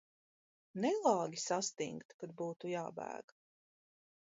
Nelāgi sastingt, kad būtu jābēg.